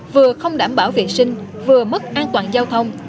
vừa không đảm bảo vệ sinh vừa mất an toàn giao thông